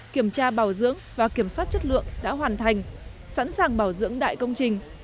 kiểm tra bảo dưỡng và kiểm soát chất lượng đã hoàn thành sẵn sàng bảo dưỡng đại công trình